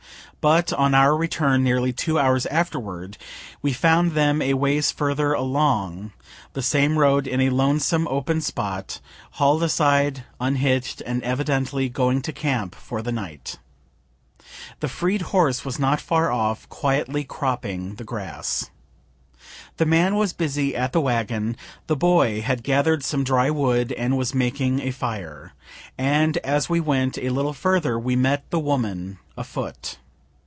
But on our return nearly two hours afterward, we found them a ways further along the same road, in a lonesome open spot, haul'd aside, unhitch'd, and evidently going to camp for the night. The freed horse was not far off, quietly cropping the grass. The man was busy at the wagon, the boy had gather'd some dry wood, and was making a fire and as we went a little further we met the woman afoot.